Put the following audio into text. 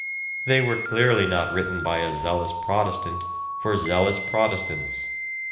They were clearly not written by a zealous Protestant for zealous Pro testants."